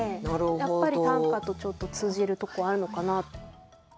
やっぱり短歌とちょっと通じるとこあるのかなと。